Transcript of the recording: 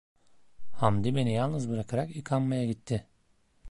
Hamdi beni yalnız bırakarak yıkanmaya gitti.